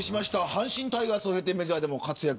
阪神タイガースを経てメジャーでも活躍。